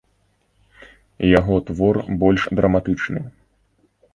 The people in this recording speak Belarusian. Яго твор больш драматычны.